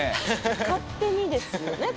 勝手にですよね？